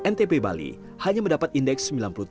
ntp bali hanya mendapat indeks sembilan puluh tiga empat